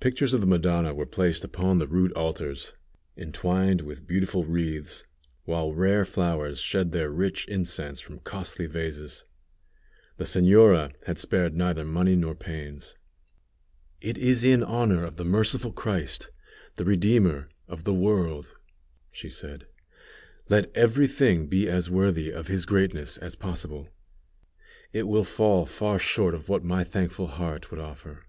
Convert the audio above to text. Pictures of the Madonna were placed upon the rude altars, entwined with beautiful wreaths, while rare flowers shed their rich incense from costly vases. The señora had spared neither money nor pains. "It is in honor of the Merciful Christ the Redeemer of the world," she said; "let every thing be as worthy of His greatness as possible; it will fall far short of what my thankful heart would offer."